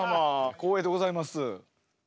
光栄でございます。